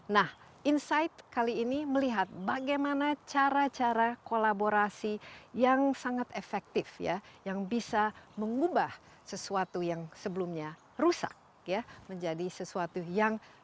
nah insight kali ini melihat bagaimana cara cara kolaborasi yang sangat efektif ya yang bisa mengubah sesuatu yang sebelumnya rusak ya menjadi sesuatu yang menarik